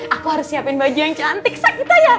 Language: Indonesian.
aku harus siapin baju yang cantik sak itu aja